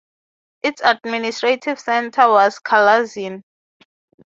Its administrative centre was Kalyazin.